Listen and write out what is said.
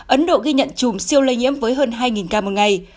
ấn độ ghi nhận chùm siêu lây nhiễm với hơn hai ca một ngày